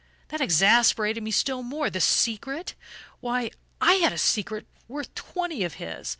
That exasperated me still more. The secret? Why, I had a secret worth twenty of his!